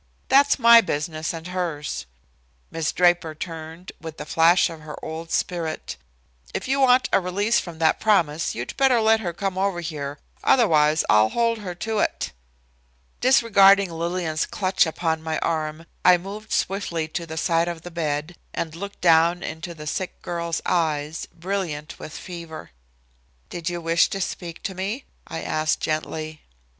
"That's my business and hers," Miss Draper returned, with a flash of her old spirit. "If you want a release from that promise you'd better let her come over here, otherwise I'll hold her to it." Disregarding Lillian's clutch upon my arm I moved swiftly to the side of the bed and looked down into the sick girl's eyes, brilliant with fever. "Did you wish to speak to me?" I asked gently.